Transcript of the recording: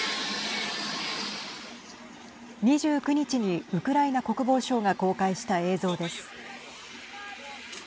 ２９日に、ウクライナ国防省が公開した映像です。